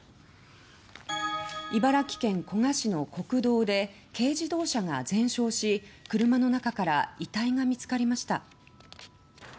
茨城県古河市の国道で軽自動車が全焼し車の中から遺体が見つかりました。